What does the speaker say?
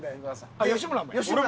あっ吉村もや。